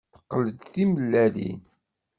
Teqla-d timellalin.